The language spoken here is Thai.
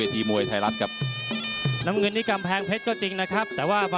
ช่วยด้านรากองเทพฯ